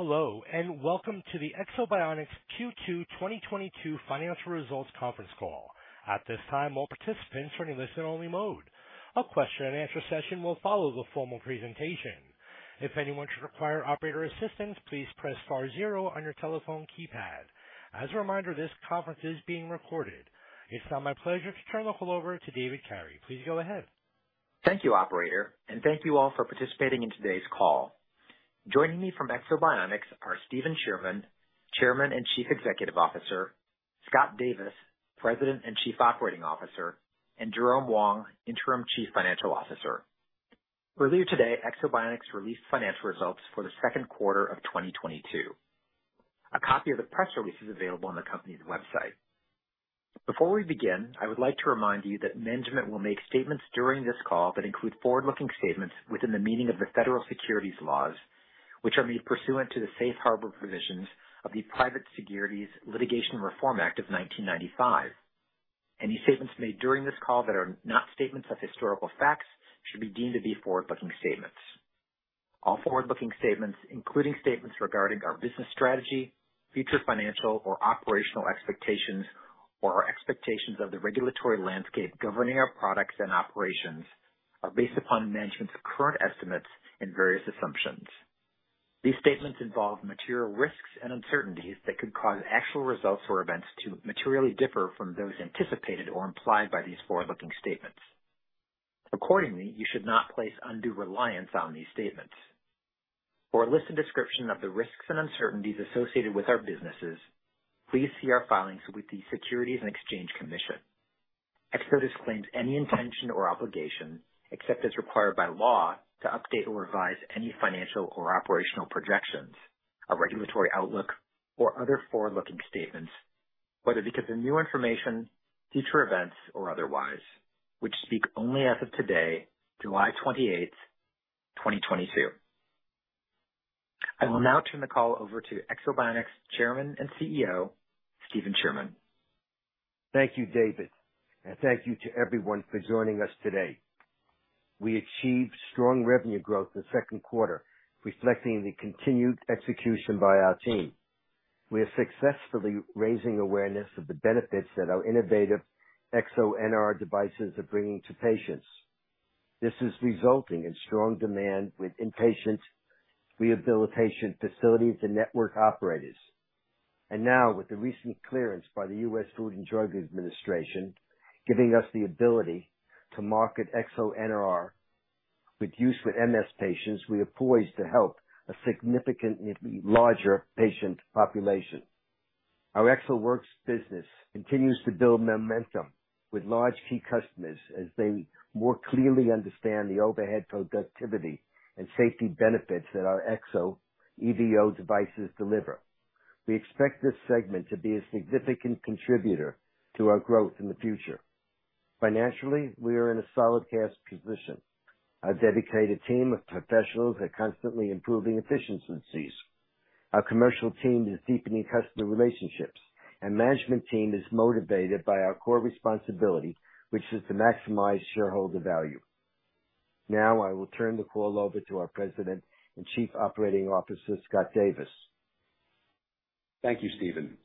Hello and welcome to the Ekso Bionics Q2 2022 financial results conference call. At this time, all participants are in listen only mode. A question and answer session will follow the formal presentation. If anyone should require operator assistance, please press star zero on your telephone keypad. As a reminder, this conference is being recorded. It's now my pleasure to turn the call over to David Carey. Please go ahead. Thank you operator and thank you all for participating in today's call. Joining me from Ekso Bionics are Steven Sherman, Chairman and Chief Executive Officer, Scott Davis, President and Chief Operating Officer and Jerome Wong, Interim Chief Financial Officer. Earlier today, Ekso Bionics released financial results for the second quarter of 2022. A copy of the press release is available on the company's website. Before we begin, I would like to remind you that management will make statements during this call that include forward-looking statements within the meaning of the federal securities laws, which are made pursuant to the safe harbor provisions of the Private Securities Litigation Reform Act of 1995. Any statements made during this call that are not statements of historical facts should be deemed to be forward-looking statements. All forward-looking statements, including statements regarding our business strategy, future financial or operational expectations or our expectations of the regulatory landscape governing our products and operations, are based upon management's current estimates and various assumptions. These statements involve material risks and uncertainties that could cause actual results or events to materially differ from those anticipated or implied by these forward-looking statements. Accordingly, you should not place undue reliance on these statements. For a listed description of the risks and uncertainties associated with our businesses, please see our filings with the Securities and Exchange Commission. Ekso disclaims any intention or obligation, except as required by law, to update or revise any financial or operational projections of regulatory outlook or other forward-looking statements, whether because of new information, future events or otherwise, which speak only as of today, 28 July,2022. I will now turn the call over to Ekso Bionics Chairman and CEO, Steven Sherman. Thank you, David and thank you to everyone for joining us today. We achieved strong revenue growth in the second quarter, reflecting the continued execution by our team. We are successfully raising awareness of the benefits that our innovative EksoNR devices are bringing to patients. This is resulting in strong demand with inpatient rehabilitation facilities and network operators. Now, with the recent clearance by the U.S. Food and Drug Administration, giving us the ability to market EksoNR for use with MS patients, we are poised to help a significantly larger patient population. Our EksoWorks business continues to build momentum with large key customers as they more clearly understand the overhead productivity and safety benefits that our Ekso EVO devices deliver. We expect this segment to be a significant contributor to our growth in the future. Financially, we are in a solid cash position. Our dedicated team of professionals are constantly improving efficiencies. Our commercial team is deepening customer relationships. Management team is motivated by our core responsibility, which is to maximize shareholder value. Now I will turn the call over to our President and Chief Operating Officer, Scott Davis. Thank you, Steven.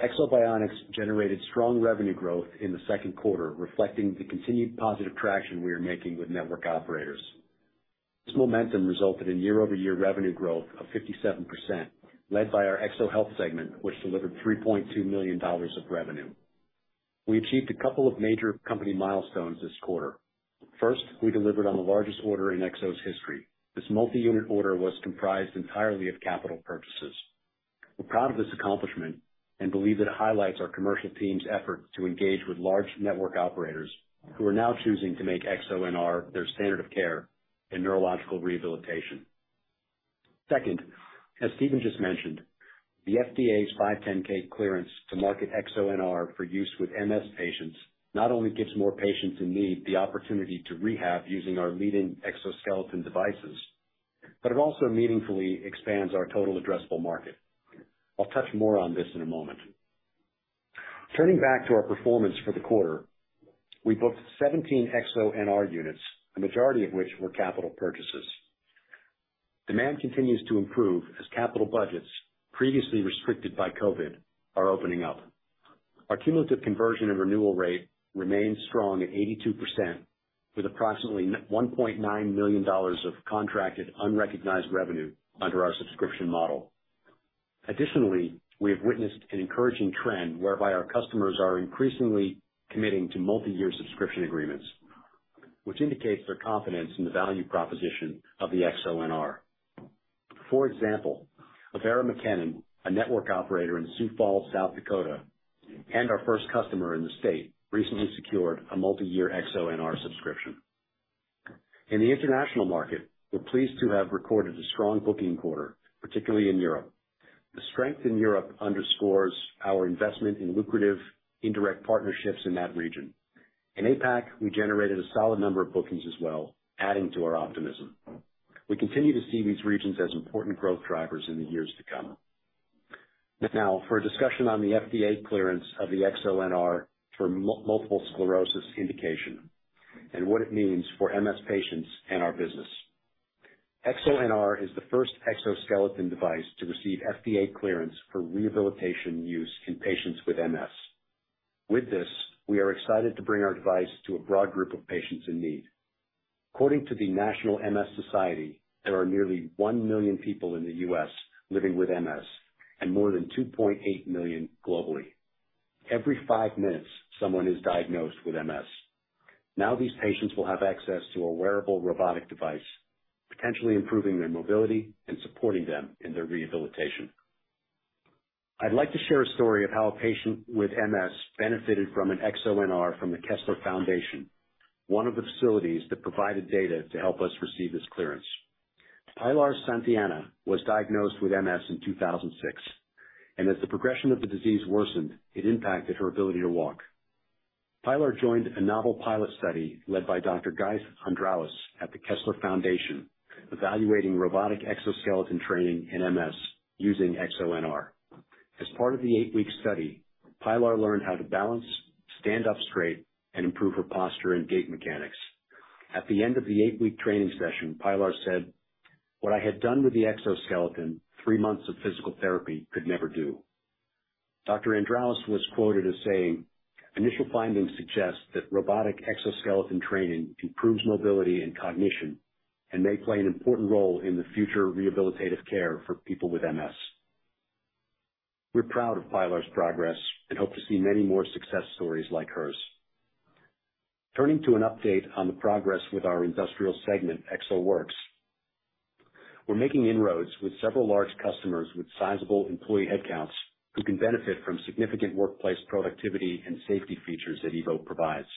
Ekso Bionics generated strong revenue growth in the second quarter, reflecting the continued positive traction we are making with network operators. This momentum resulted in year-over-year revenue growth of 57%, led by our EksoHealth segment, which delivered $3.2 million of revenue. We achieved a couple of major company milestones this quarter. First, we delivered on the largest order in Ekso's history. This multi-unit order was comprised entirely of capital purchases. We're proud of this accomplishment and believe that it highlights our commercial team's effort to engage with large network operators who are now choosing to make EksoNR their standard of care in neurological rehabilitation. Second, as Steven just mentioned, the FDA's 510(k) clearance to market EksoNR for use with MS patients not only gives more patients in need the opportunity to rehab using our leading exoskeleton devices but it also meaningfully expands our total addressable market. I'll touch more on this in a moment. Turning back to our performance for the quarter. We booked 17 EksoNR units, a majority of which were capital purchases. Demand continues to improve as capital budgets previously restricted by COVID are opening up. Our cumulative conversion and renewal rate remains strong at 82%, with approximately one point nine million dollars of contracted unrecognized revenue under our subscription model. Additionally, we have witnessed an encouraging trend whereby our customers are increasingly committing to multi-year subscription agreements, which indicates their confidence in the value proposition of the EksoNR. For example, Avera McKennan, a network operator in Sioux Falls, South Dakota and our first customer in the state, recently secured a multi-year EksoNR subscription. In the international market, we're pleased to have recorded a strong booking quarter, particularly in Europe. The strength in Europe underscores our investment in lucrative indirect partnerships in that region. In APAC, we generated a solid number of bookings as well, adding to our optimism. We continue to see these regions as important growth drivers in the years to come. Now for a discussion on the FDA clearance of the EksoNR for multiple sclerosis indication and what it means for MS patients and our business. EksoNR is the first exoskeleton device to receive FDA clearance for rehabilitation use in patients with MS. With this, we are excited to bring our device to a broad group of patients in need. According to the National MS Society, there are nearly one million people in the U.S. living with MS and more than 2.8 million globally. Every five minutes, someone is diagnosed with MS. These patients will have access to a wearable robotic device, potentially improving their mobility and supporting them in their rehabilitation. I'd like to share a story of how a patient with MS benefited from an EksoNR from the Kessler Foundation, one of the facilities that provided data to help us receive this clearance. Pilar Santillana was diagnosed with MS in 2006 and as the progression of the disease worsened, it impacted her ability to walk. Pilar joined a novel pilot study led by Dr. Guang Yue at the Kessler Foundation, evaluating robotic exoskeleton training in MS using EksoNR. As part of the eight-week study, Pilar learned how to balance, stand up straight and improve her posture and gait mechanics. At the end of the 8-week training session, Pilar said, "What I had done with the exoskeleton, three months of physical therapy could never do." Dr. Guang Yue was quoted as saying, "Initial findings suggest that robotic exoskeleton training improves mobility and cognition and may play an important role in the future rehabilitative care for people with MS." We're proud of Pilar's progress and hope to see many more success stories like hers. Turning to an update on the progress with our industrial segment, EksoWorks. We're making inroads with several large customers with sizable employee headcounts who can benefit from significant workplace productivity and safety features that EVO provides.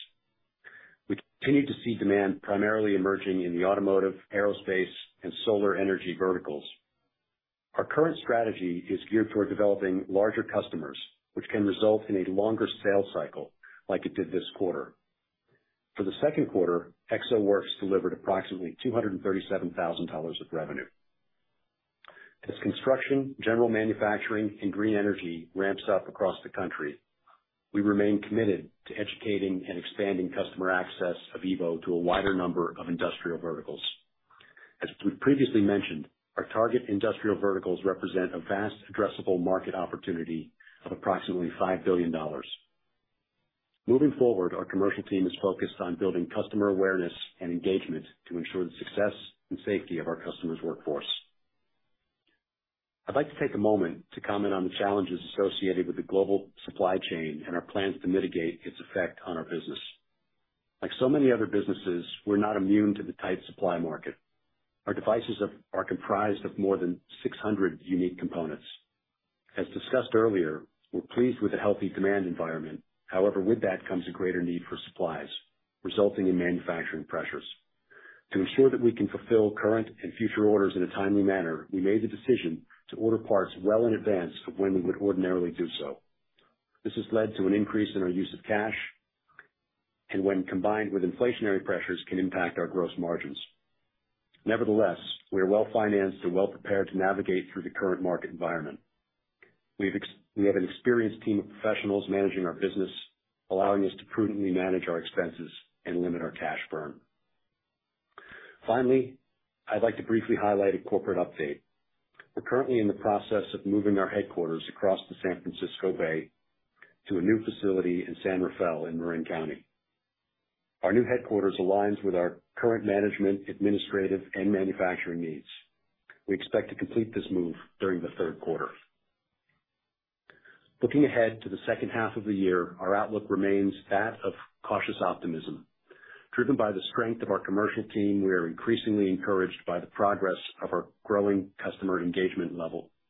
We continue to see demand primarily emerging in the automotive, aerospace and solar energy verticals. Our current strategy is geared toward developing larger customers, which can result in a longer sales cycle like it did this quarter. For the second quarter, EksoWorks delivered approximately $237 thousand of revenue. As construction, general manufacturing and green energy ramps up across the country, we remain committed to educating and expanding customer access of EVO to a wider number of industrial verticals. As we've previously mentioned, our target industrial verticals represent a vast addressable market opportunity of approximately $5 billion. Moving forward, our commercial team is focused on building customer awareness and engagement to ensure the success and safety of our customers' workforce. I'd like to take a moment to comment on the challenges associated with the global supply chain and our plans to mitigate its effect on our business. Like so many other businesses, we're not immune to the tight supply market. Our devices are comprised of more than 600 unique components. As discussed earlier, we're pleased with the healthy demand environment. However, with that comes a greater need for supplies, resulting in manufacturing pressures. To ensure that we can fulfill current and future orders in a timely manner, we made the decision to order parts well in advance of when we would ordinarily do so. This has led to an increase in our use of cash and when combined with inflationary pressures, can impact our gross margins. Nevertheless, we are well-financed and well-prepared to navigate through the current market environment. We have an experienced team of professionals managing our business, allowing us to prudently manage our expenses and limit our cash burn. Finally, I'd like to briefly highlight a corporate update. We're currently in the process of moving our headquarters across the San Francisco Bay to a new facility in San Rafael in Marin County. Our new headquarters aligns with our current management, administrative and manufacturing needs. We expect to complete this move during the third quarter. Looking ahead to the second half of the year, our outlook remains that of cautious optimism. Driven by the strength of our commercial team, we are increasingly encouraged by the progress of our growing customer engagement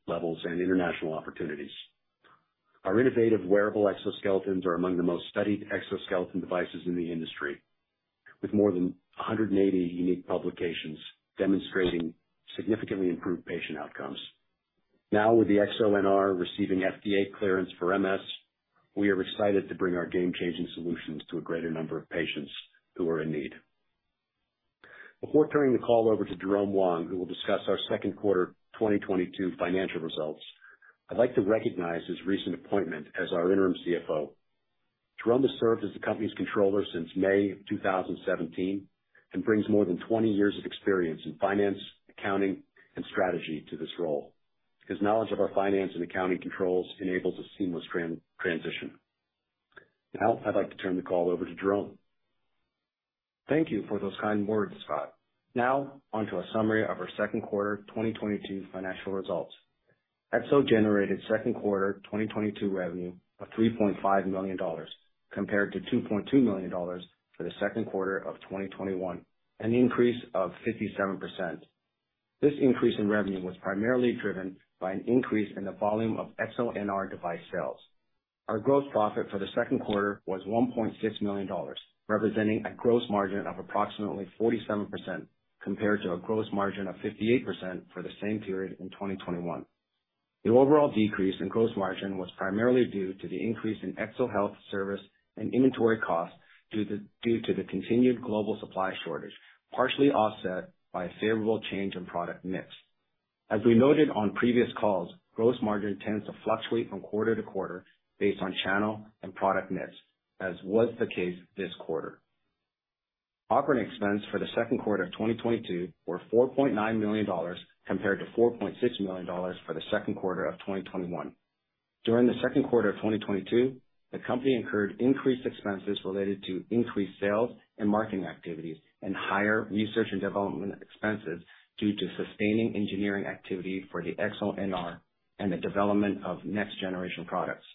levels and international opportunities. Our innovative wearable exoskeletons are among the most studied exoskeleton devices in the industry, with more than 180 unique publications demonstrating significantly improved patient outcomes. Now, with the EksoNR receiving FDA clearance for MS, we are excited to bring our game-changing solutions to a greater number of patients who are in need. Before turning the call over to Jerome Wong, who will discuss our second quarter 2022 financial results, I'd like to recognize his recent appointment as our interim CFO. Jerome has served as the company's controller since May of 2017 and brings more than 20 years of experience in finance, accounting and strategy to this role. His knowledge of our finance and accounting controls enables a seamless transition. Now, I'd like to turn the call over to Jerome. Thank you for those kind words, Scott. Now onto a summary of our second quarter 2022 financial results. Ekso generated second quarter 2022 revenue of $3.5 million compared to $2.2 million for the second quarter of 2021, an increase of 57%. This increase in revenue was primarily driven by an increase in the volume of EksoNR device sales. Our gross profit for the second quarter was $1.6 million, representing a gross margin of approximately 47% compared to a gross margin of 58% for the same period in 2021. The overall decrease in gross margin was primarily due to the increase in EksoHealth service and inventory costs due to the continued global supply shortage, partially offset by a favorable change in product mix. As we noted on previous calls, gross margin tends to fluctuate from quarter to quarter based on channel and product mix, as was the case this quarter. Operating expense for the second quarter of 2022 were $4.9 million compared to $4.6 million for the second quarter of 2021. During the second quarter of 2022, the company incurred increased expenses related to increased sales and marketing activities and higher research and development expenses due to sustaining engineering activity for the EksoNR and the development of next generation products.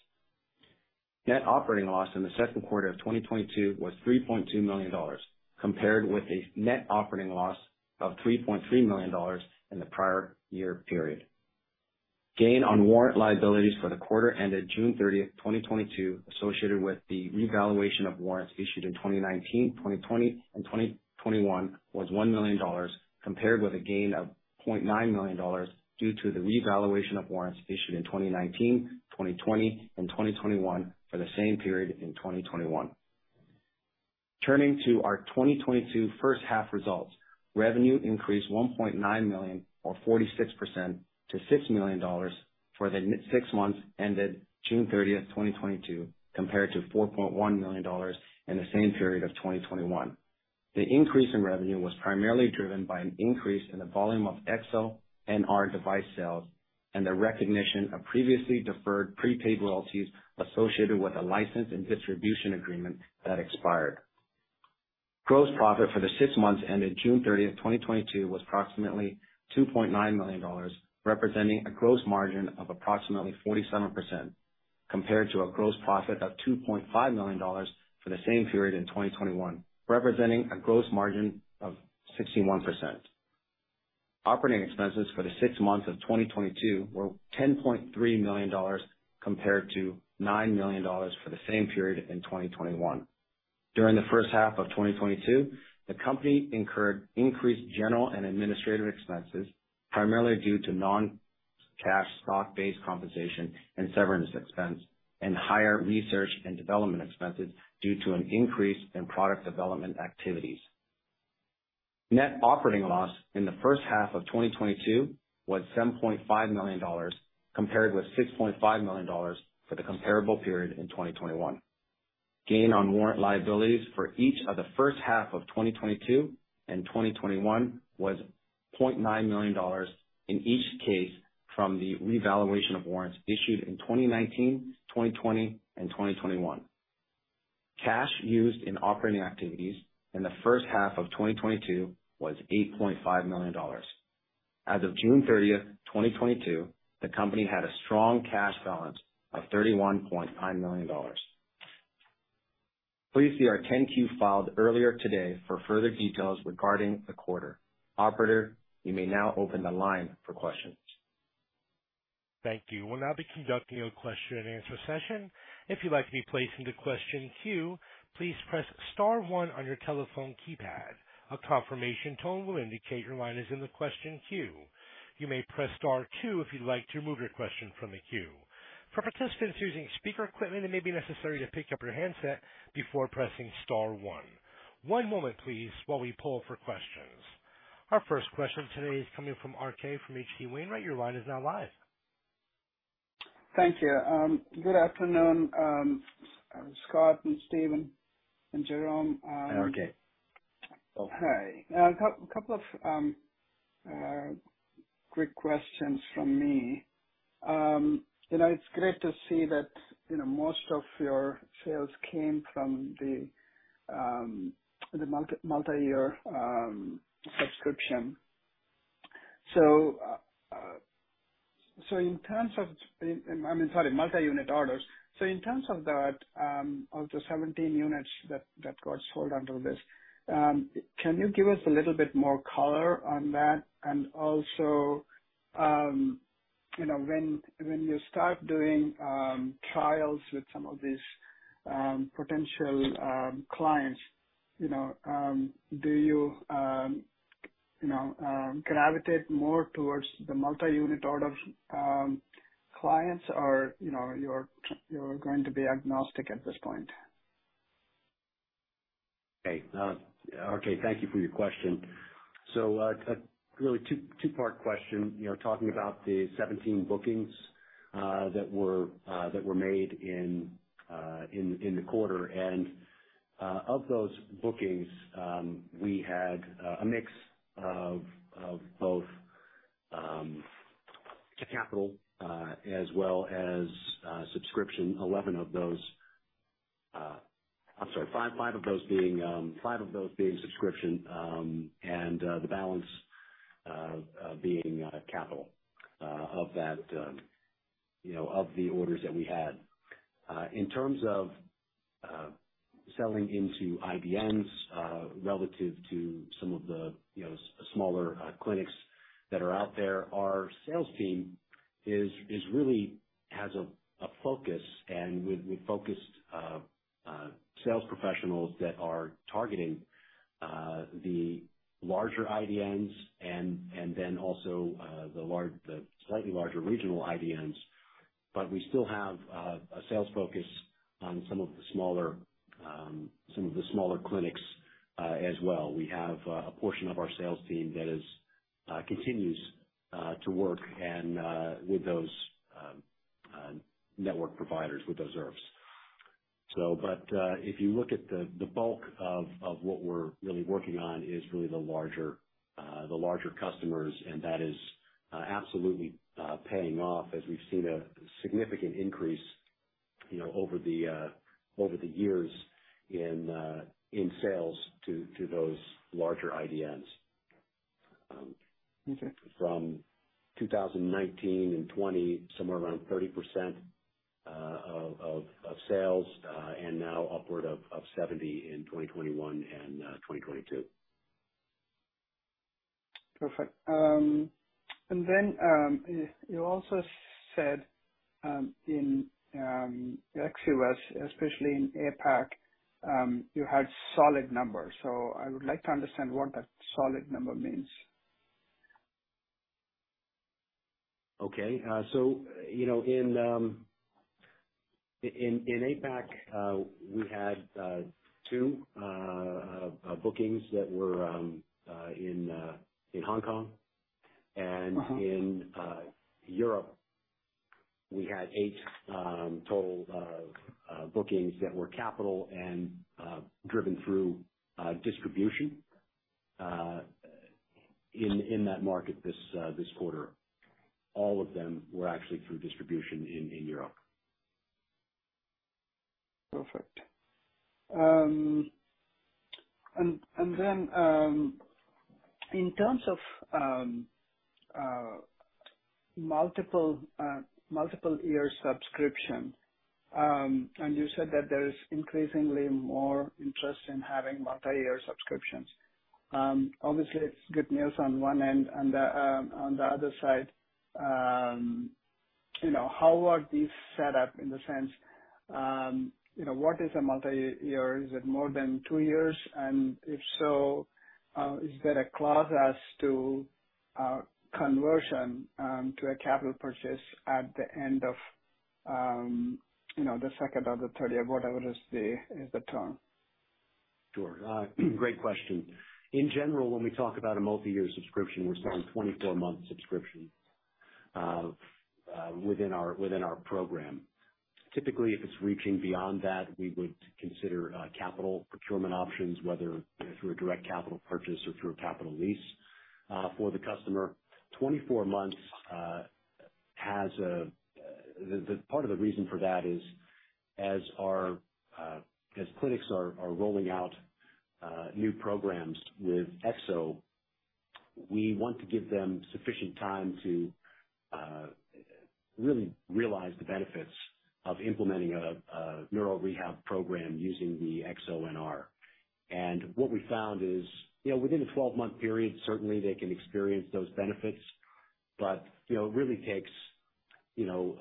Net operating loss in the second quarter of 2022 was $3.2 million, compared with a net operating loss of $3.3 million in the prior year period. Gain on warrant liabilities for the quarter ended 30 June 2022 associated with the revaluation of warrants issued in 2019, 2020 and 2021 was $1 million, compared with a gain of $0.9 million due to the revaluation of warrants issued in 2019, 2020 and 2021 for the same period in 2021. Turning to our 2022 first half results. Revenue increased $1.9 million or 46% to $6 million for the six months ended 30 June 2022, compared to $4.1 million in the same period of 2021. The increase in revenue was primarily driven by an increase in the volume of EksoNR device sales and the recognition of previously deferred prepaid royalties associated with a license and distribution agreement that expired. Gross profit for the six months ended 30 June 2022 was approximately $2.9 million, representing a gross margin of approximately 47%, compared to a gross profit of $2.5 million for the same period in 2021, representing a gross margin of 61%. Operating expenses for the six months of 2022 were $10.3 million compared to $9 million for the same period in 2021. During the first half of 2022, the company incurred increased general and administrative expenses, primarily due to non-cash stock-based compensation and severance expense and higher research and development expenses due to an increase in product development activities. Net operating loss in the first half of 2022 was $7.5 million, compared with $6.5 million for the comparable period in 2021. Gain on warrant liabilities for each of the first half of 2022 and 2021 was $0.9 million in each case from the revaluation of warrants issued in 2019, 2020 and 2021. Cash used in operating activities in the first half of 2022 was $8.5 million. As of 30 June 2022, the company had a strong cash balance of $31.9 million. Please see our 10-Q filed earlier today for further details regarding the quarter. Operator, you may now open the line for questions. Thank you. We'll now be conducting a question and answer session. If you'd like to be placed into question queue, please press star one on your telephone keypad. A confirmation tone will indicate your line is in the question queue. You may press star two if you'd like to remove your question from the queue. For participants using speaker equipment, it may be necessary to pick up your handset before pressing star one. One moment please, while we pull for questions. Our first question today is coming from RK from H.C. Wainwright. Your line is now live. Thank you. Good afternoon, Scott and Steven and Jerome. RK. Hi. A couple of quick questions from me. You know, it's great to see that, you know, most of your sales came from the multi-unit orders. I mean, sorry. In terms of that, of the 17 units that got sold under this, can you give us a little bit more color on that? And also, you know, when you start doing trials with some of these potential clients, you know, do you know, gravitate more towards the multi-unit orders clients or, you know, you're going to be agnostic at this point? Okay. Thank you for your question. Really two-part question. You know, talking about the 17 bookings that were made in the quarter. Of those bookings, we had a mix of both capital as well as subscription. I'm sorry, five of those being subscription and the balance being capital of that, you know, of the orders that we had. In terms of selling into IDNs relative to some of the, you know, smaller clinics that are out there, our sales team really has a focus with focused sales professionals that are targeting the larger IDNs and then also the slightly larger regional IDNs. We still have a sales focus on some of the smaller clinics as well. We have a portion of our sales team that continues to work with those network providers, with those IRFs. If you look at the bulk of what we're really working on is really the larger customers and that is absolutely paying off as we've seen a significant increase, you know, over the years in sales to those larger IDNs. From 2019 and 2020, somewhere around 30% of sales and now upward of 70% in 2021 and 2022. Perfect. Then, you also said in ex-US, especially in APAC, you had solid numbers. I would like to understand what that solid number means. Okay. You know, in APAC, we had two bookings that were in Hong Kong. In Europe, we had 8 total bookings that were capital and driven through distribution in that market this quarter. All of them were actually through distribution in Europe. Perfect. In terms of multiple-year subscription, you said that there is increasingly more interest in having multiyear subscriptions. Obviously it's good news on one end and on the other side, you know, how are these set up in the sense, you know, what is a multiyear? Is it more than two years? And if so, is there a clause as to conversion to a capital purchase at the end of, you know, the second or the third year, whatever is the term? Sure. Great question. In general, when we talk about a multiyear subscription, we're selling 24-month subscription within our program. Typically, if it's reaching beyond that, we would consider capital procurement options, whether through a direct capital purchase or through a capital lease for the customer. 24 months has a, the part of the reason for that is as our clinics are rolling out new programs with Ekso, we want to give them sufficient time to really realize the benefits of implementing a neuro rehab program using the EksoNR. What we found is, you know, within a 12-month period, certainly they can experience those benefits but, you know, it really takes, you know,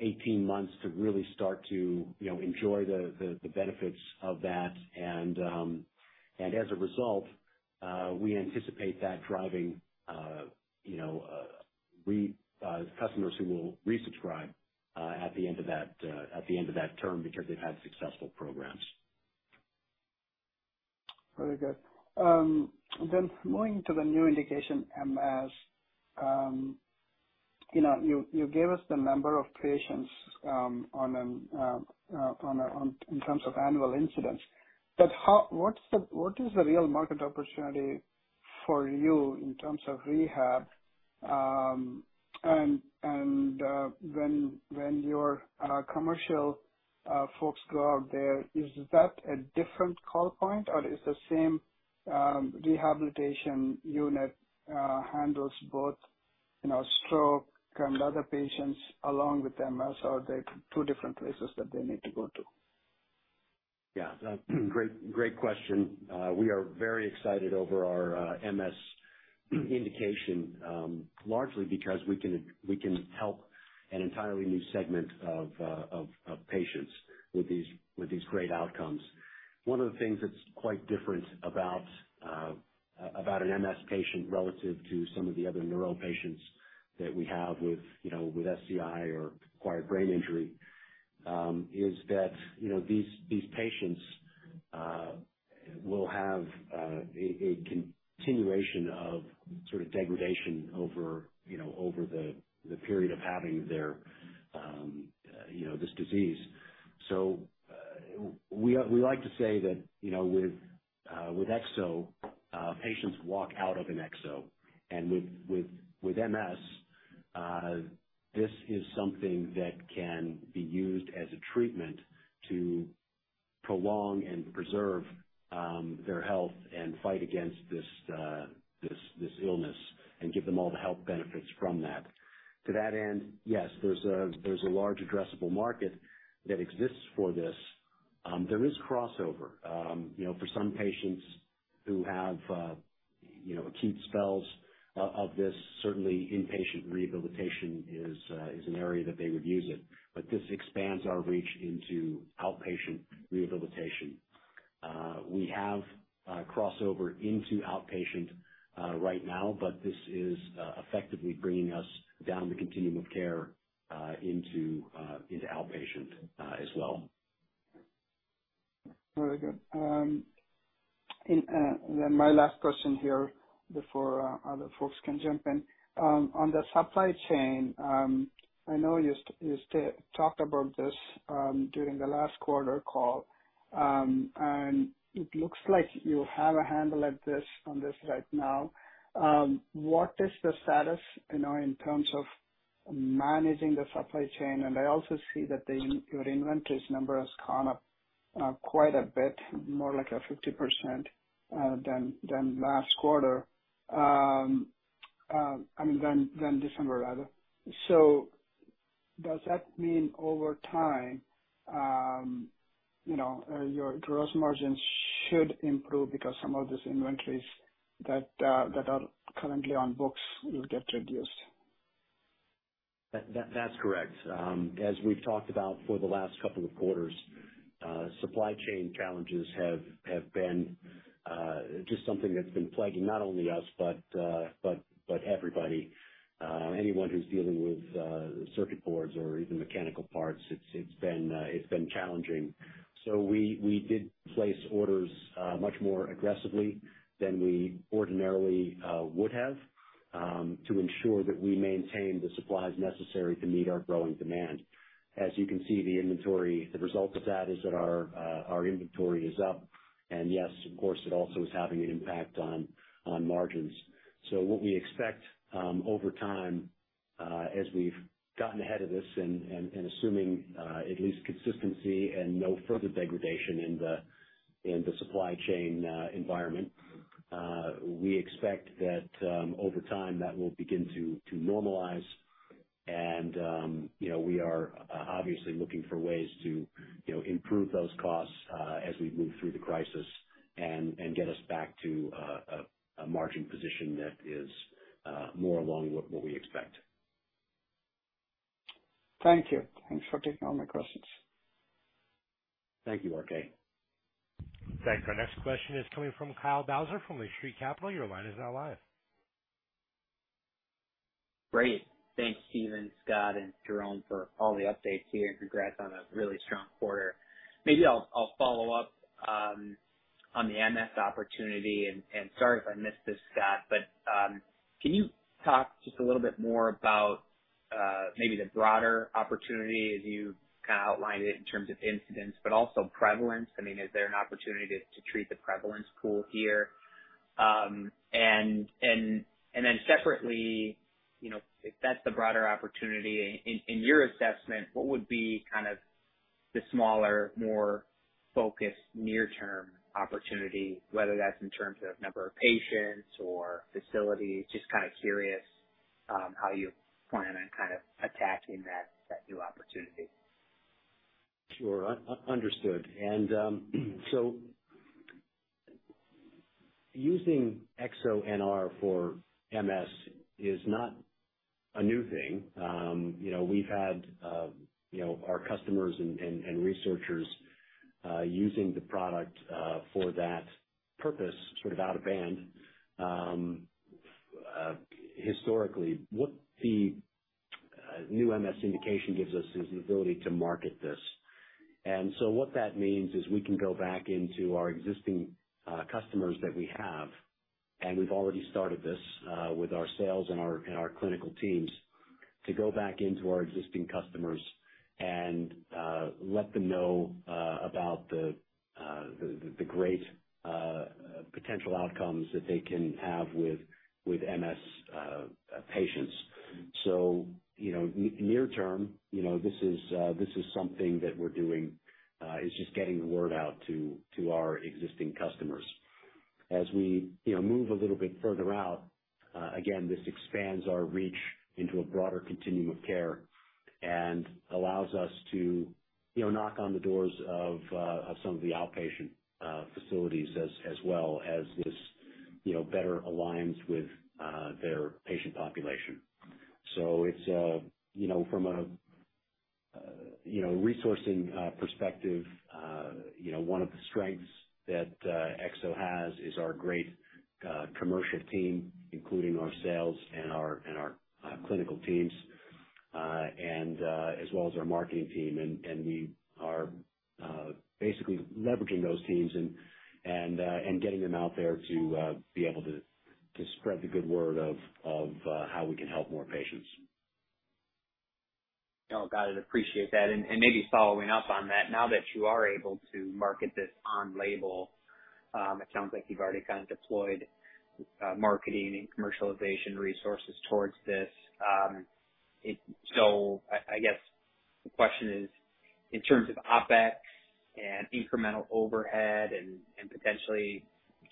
18 months to really start to, you know, enjoy the benefits of that. As a result, we anticipate that driving, you know, customers who will resubscribe at the end of that term because they've had successful programs. Very good. Going to the new indication, MS. You know, you gave us the number of patients in terms of annual incidents. What is the real market opportunity for you in terms of rehab? And when your commercial folks go out there, is that a different call point or is the same rehabilitation unit handles both, you know, stroke and other patients along with MS or are they two different places that they need to go to? Great question. We are very excited over our MS indication, largely because we can help an entirely new segment of patients with these great outcomes. One of the things that's quite different about an MS patient relative to some of the other neuro patients that we have with, you know, SCI or acquired brain injury, is that, you know, these patients will have a continuation of sort of degradation over, you know, the period of having their, you know, this disease. We like to say that, you know, with Ekso, patients walk out of an Ekso. With MS, this is something that can be used as a treatment to prolong and preserve their health and fight against this illness and give them all the health benefits from that. To that end, yes, there's a large addressable market that exists for this. There is crossover. You know, for some patients who have you know, acute spells of this, certainly inpatient rehabilitation is an area that they would use it. This expands our reach into outpatient rehabilitation. We have crossover into outpatient right now but this is effectively bringing us down the continuum of care into outpatient as well. Very good. And then my last question here before other folks can jump in. On the supply chain, I know you talked about this during the last quarter call and it looks like you have a handle on this right now. What is the status, you know, in terms of managing the supply chain? And I also see that your inventories number has gone up quite a bit, more like a 50% than last quarter. I mean, than December, rather. Does that mean over time, you know, your gross margins should improve because some of these inventories that are currently on books will get reduced? That's correct. As we've talked about for the last couple of quarters, supply chain challenges have been just something that's been plaguing not only us but everybody. Anyone who's dealing with circuit boards or even mechanical parts, it's been challenging. We did place orders much more aggressively than we ordinarily would have to ensure that we maintain the supplies necessary to meet our growing demand. As you can see, the result of that is that our inventory is up and yes, of course, it also is having an impact on margins. What we expect over time, as we've gotten ahead of this and assuming at least consistency and no further degradation in the supply chain environment, we expect that over time that will begin to normalize. You know, we are obviously looking for ways to, you know, improve those costs as we move through the crisis and get us back to a margin position that is more along what we expect. Thank you. Thanks for taking all my questions. Thank you, RK. Thanks. Our next question is coming from Kyle Bauser from Lake Street Capital Markets. Your line is now live. Great. Thanks, Steven, Scott and Jerome for all the updates here and congrats on a really strong quarter. Maybe I'll follow up on the MS opportunity and sorry if I missed this, Scott but can you talk just a little bit more about maybe the broader opportunity as you kind of outlined it in terms of incidence but also prevalence? I mean, is there an opportunity to treat the prevalence pool here? And then separately, you know, if that's the broader opportunity in your assessment, what would be kind of the smaller, more focused near-term opportunity, whether that's in terms of number of patients or facilities, just kind of curious how you plan on kind of attacking that new opportunity. Sure. Understood. Using EksoNR for MS is not a new thing. You know, we've had our customers and researchers using the product for that purpose sort of out of band historically. What the new MS indication gives us is the ability to market this. What that means is we can go back into our existing customers that we have and we've already started this with our sales and our clinical teams, to go back into our existing customers and let them know about the great potential outcomes that they can have with MS patients. You know, near term, you know, this is something that we're doing is just getting the word out to our existing customers. As we, you know, move a little bit further out, again, this expands our reach into a broader continuum of care and allows us to, you know, knock on the doors of some of the outpatient facilities as well as this, you know, better aligns with their patient population. It's, you know, from a, you know, resourcing perspective, you know, one of the strengths that Ekso has is our great commercial team, including our sales and our clinical teams and as well as our marketing team. We are basically leveraging those teams and getting them out there to be able to spread the good word of how we can help more patients. No, got it. Appreciate that. Maybe following up on that, now that you are able to market this on label, it sounds like you've already kind of deployed marketing and commercialization resources towards this. So I guess the question is, in terms of OpEx and incremental overhead and potentially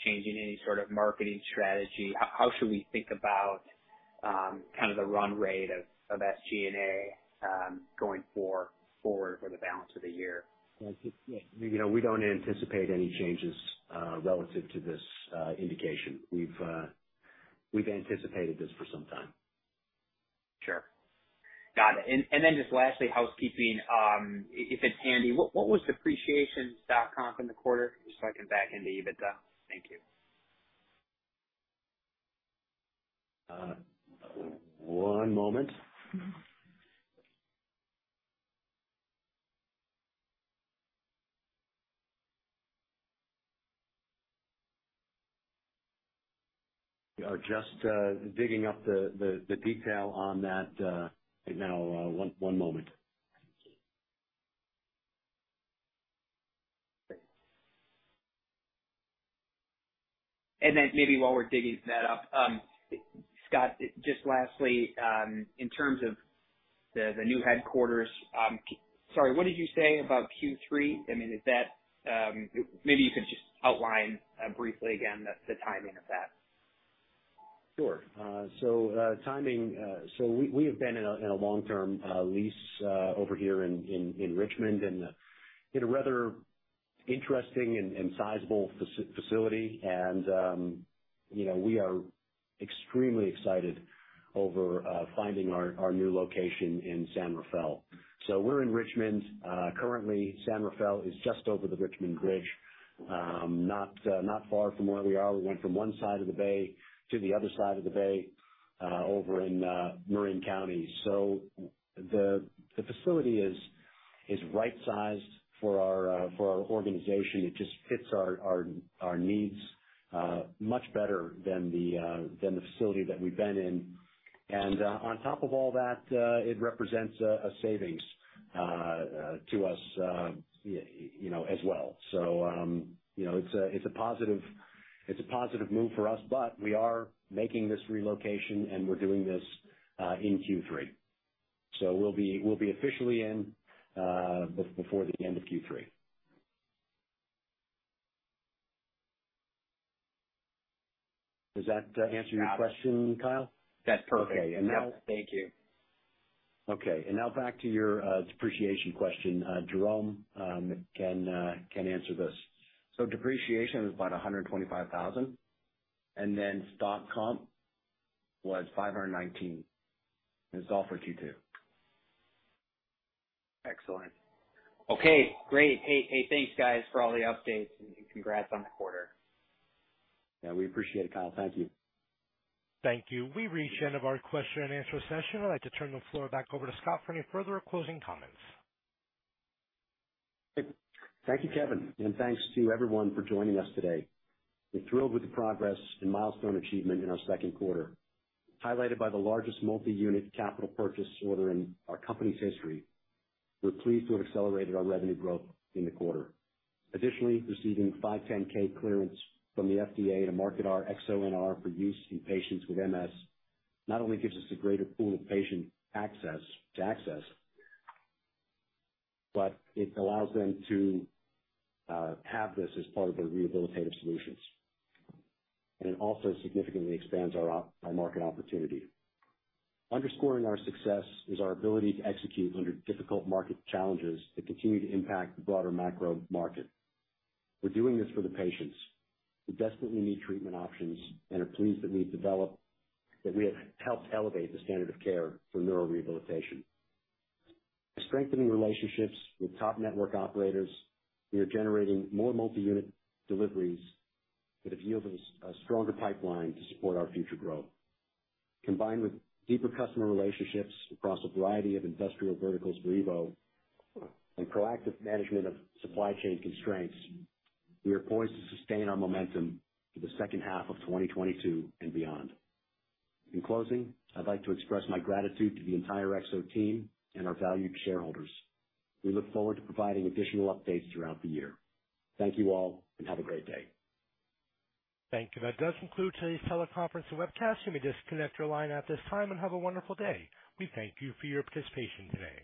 changing any sort of marketing strategy, how should we think about kind of the run rate of SG&A going forward for the balance of the year? Yeah. You know, we don't anticipate any changes, relative to this, indication. We've anticipated this for some time. Sure. Got it. Just lastly, housekeeping. If it's handy, what was depreciation stock comp in the quarter just so I can back into EBITDA? Thank you. One moment. We are just digging up the detail on that right now. One moment. Maybe while we're digging that up, Scott, just lastly, in terms of the new headquarters, sorry, what did you say about Q3? I mean, is that maybe you could just outline briefly again the timing of that. Sure. Timing. We have been in a long-term lease over here in Richmond and in a rather interesting and sizable facility. You know, we are extremely excited over finding our new location in San Rafael. We're in Richmond. Currently San Rafael is just over the Richmond Bridge, not far from where we are. We went from one side of the bay to the other side of the bay over in Marin County. The facility is right sized for our organization. It just fits our needs much better than the facility that we've been in. On top of all that, it represents a savings to us, you know, as well. You know, it's a positive move for us but we are making this relocation and we're doing this in Q3. We'll be officially in before the end of Q3. Does that answer your question, Kyle? That's perfect. Okay. Thank you. Okay, now back to your depreciation question. Jerome can answer this. Depreciation was about $125 thousand and then stock comp was $519 and it's all for Q2. Excellent. Okay, great. Hey, thanks, guys, for all the updates and congrats on the quarter. Yeah, we appreciate it, Kyle. Thank you. Thank you. We've reached the end of our question and answer session. I'd like to turn the floor back over to Scott for any further closing comments. Thank you, Kevin and thanks to everyone for joining us today. We're thrilled with the progress and milestone achievement in our second quarter, highlighted by the largest multi-unit capital purchase order in our company's history. We're pleased to have accelerated our revenue growth in the quarter. Additionally, receiving 510(k) clearance from the FDA to market our EksoNR for use in patients with MS not only gives us a greater pool of patient access but it allows them to have this as part of their rehabilitative solutions. It also significantly expands our market opportunity. Underscoring our success is our ability to execute under difficult market challenges that continue to impact the broader macro market. We're doing this for the patients who desperately need treatment options and are pleased that we have helped elevate the standard of care for neurorehabilitation. Strengthening relationships with top network operators, we are generating more multi-unit deliveries that have yielded a stronger pipeline to support our future growth. Combined with deeper customer relationships across a variety of industrial verticals for EVO and proactive management of supply chain constraints, we are poised to sustain our momentum through the second half of 2022 and beyond. In closing, I'd like to express my gratitude to the entire Ekso team and our valued shareholders. We look forward to providing additional updates throughout the year. Thank you all and have a great day. Thank you. That does conclude today's teleconference and webcast. You may disconnect your line at this time and have a wonderful day. We thank you for your participation today.